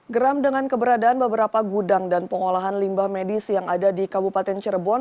geram dengan keberadaan beberapa gudang dan pengolahan limbah medis yang ada di kabupaten cirebon